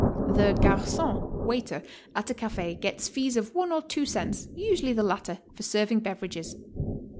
The garcon (waiter) at a cafe gets fees of one or two cents, usually the latter, for serving beverages.